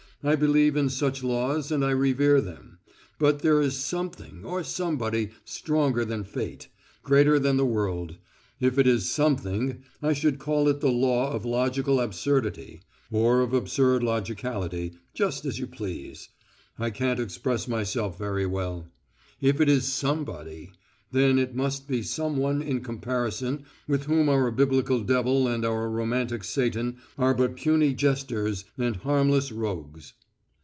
I believe in such laws and I revere them. But there is Something or Somebody stronger than Fate, greater than the world. If it is Something, I should call it the law of logical absurdity, or of absurd logicality, just as you please.... I can't express myself very well. If it is Somebody, then it must be someone in comparison with whom our biblical devil and our romantic Satan are but puny jesters and harmless rogues.